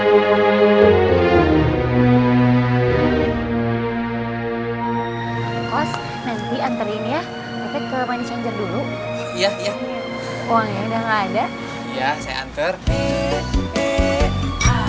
aku ke money changer dulu